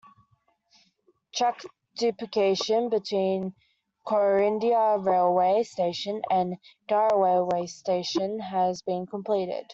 Track duplication between Corinda railway station and Darra railway station has been completed.